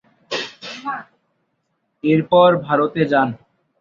এরপর ভারতে যান।